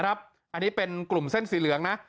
อันนี้เป็นกลุ่มเส้นสีเหลืองนะ